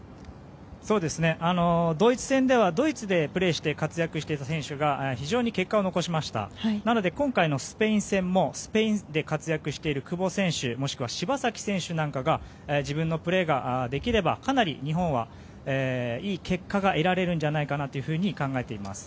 ドイツ戦ではドイツでプレーして活躍した選手が非常に結果を残しましたので今回のスペイン戦もスペインで活躍している久保選手柴崎選手なんかが自分のプレーができればかなり、日本はいい結果が得られるんじゃないかなと考えています。